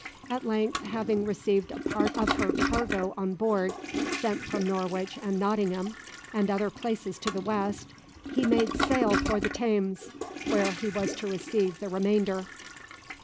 At length, having received a part of her cargo on board, sent from Norwich and Nottingham, and other places to the west, he made sail for the Thames, where he was to receive the remainder.